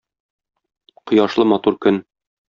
Кояшлы матур көн.